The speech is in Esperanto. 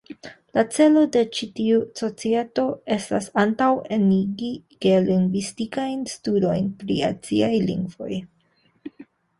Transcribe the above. La celo de ĉi tiu Societo estas "...antaŭenigi geolingvistikajn studojn pri aziaj lingvoj.